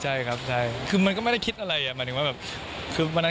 ใช่ครับเป็นเรื่องคือมันก็ไม่ได้คิดเกิดว่าทำไม